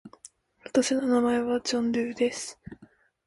私の名前はジョン・ドゥーです。